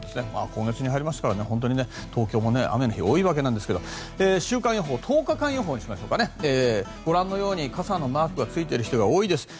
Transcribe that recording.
今月に入りまして東京も雨の日が多いわけですが週間予報、１０日予報ご覧のように、傘マークがついている日が多いです。